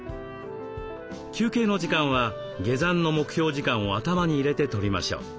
休憩の時間は下山の目標時間を頭に入れてとりましょう。